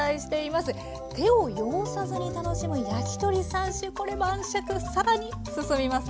手を汚さずに楽しむ焼き鳥３種これ晩酌更に進みます。